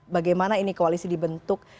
bagaimana ini koalisi dibentuk